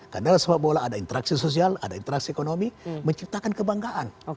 karena sepak bola ada interaksi sosial ada interaksi ekonomi menciptakan kebanggaan